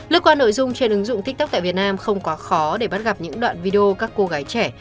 lưu qua nội dung trên ứng dụng tiktok tại việt nam không quá khó để bắt gặp những đoạn video các cô gái trẻ